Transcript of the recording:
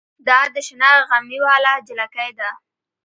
دا د شنه غمي واله جلکۍ ده.